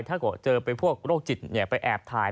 ถ้าเจอพวกโรคจิตไปแอบทาย